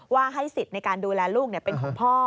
ให้สิทธิ์ในการดูแลลูกเป็นของพ่อ